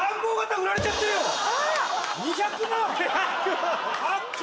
⁉２００万⁉高っか！